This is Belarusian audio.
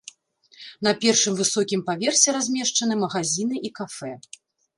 На першым высокім паверсе размешчаны магазіны і кафэ.